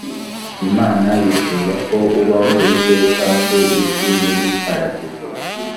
imana yifuza ko ubaho iteka ku isi muri paradizo .